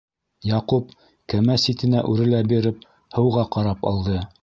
Яҡуп, кәмә ситенә үрелә биреп, һыуға ҡарап алды: